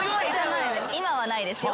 今はないですよ。